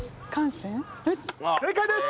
正解です！